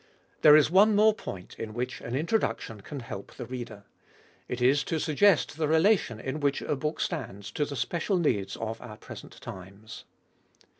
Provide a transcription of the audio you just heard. There is one more point in which an Introduction can help the reader. It is to suggest the relation in which a book stands to the special needs of our present times.